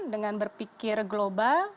dengan berpikir global